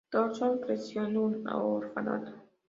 Thomson creció en un orfanato.